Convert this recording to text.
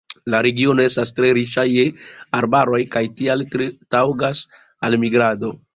La regiono estas tre riĉa je arbaroj kaj tial tre taŭgas al migrado.